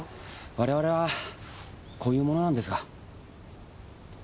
我々はこういう者なんですが。